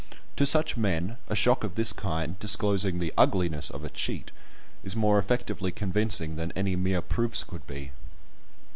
To such men a shock of this kind, disclosing the ugliness of a cheat, is more effectively convincing than any mere proofs could be.